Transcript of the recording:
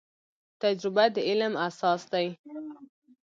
تجربه د علم اساس دی